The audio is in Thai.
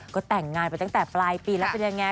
ก็แต่งงานไปตั้งแต่ปลายปีแล้วเป็นยังไง